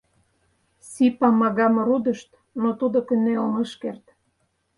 Си-Памагам рудышт, но тудо кынелын ыш керт.